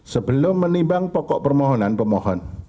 sebelum menimbang pokok permohonan pemohon